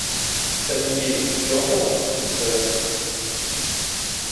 S'habiller, tu l'entends, petite soeur !